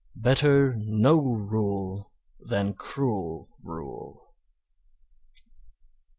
"BETTER NO RULE THAN CRUEL RULE."